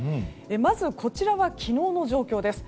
まず、こちらは昨日の状況です。